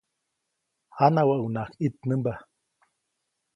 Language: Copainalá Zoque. Janawäʼuŋnaʼajk ʼitnämba.